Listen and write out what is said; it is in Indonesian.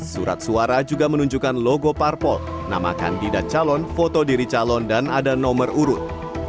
surat suara juga menunjukkan logo parpol nama kandidat calon foto diri calon dan ada nomor urut